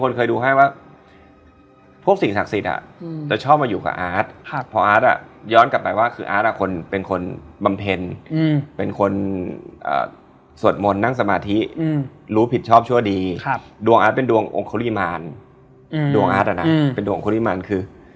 เลยอร่อยสุดสุดเป็นกล้วยที่อร่อยที่สุดในชีวิตแล้วเขางกมาก